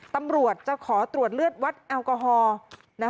ตำรวจจะขอตรวจเลือดวัดแอลกอฮอล์